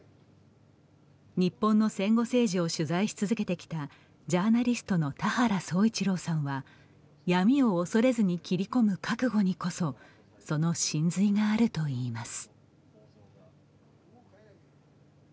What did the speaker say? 日本の戦後政治を取材し続けてきたジャーナリストの田原総一朗さんは闇を恐れずに切り込む覚悟にこそその神髄があるといいます。